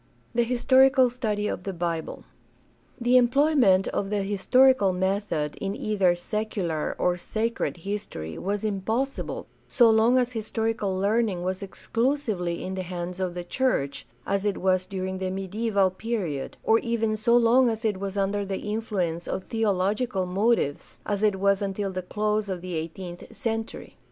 The historical study of the Bible. — The employment of the historical method in either "secular" or "sacred" history was impossible so long as historical learning was exclusively in the hands of the church, as it was during the mediaeval period, or even so long as it was under the influence of theo logical motives, as it was until the close of the eighteenth THE DEVELOPMENT OF MODERN CHRISTIANITY 461 century.